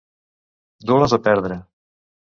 Dur les de perdre.